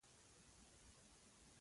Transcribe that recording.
زه د چا په کار کې کار نه لرم.